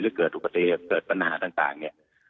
หรือเกิดอุปโตะเรียบเกิดปัญหาต่างไง